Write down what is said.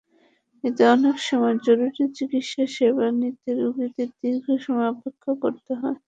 এতে অনেক সময় জরুরি চিকিৎসাসেবা নিতে রোগীদের দীর্ঘ সময় অপেক্ষা করতে হয়।